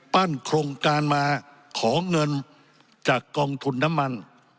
โครงการมาขอเงินจากกองทุนน้ำมัน